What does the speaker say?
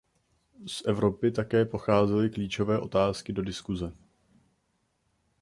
Z Evropy také pocházely klíčové otázky do diskuse.